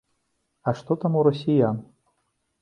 А што там у расіян?